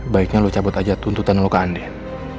baiknya lu cabut aja tuntutan lu ke andin